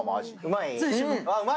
うまい？